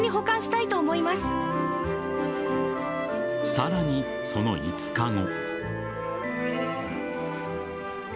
さらに、その５日後。